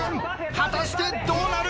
果たしてどうなる？